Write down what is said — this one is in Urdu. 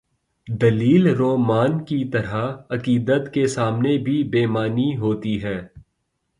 دلیل رومان کی طرح، عقیدت کے سامنے بھی بے معنی ہو تی ہے۔